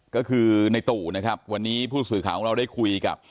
ก็คือในตู่นะครับวันนี้ผู้สื่อข่าวของเราได้คุยกับ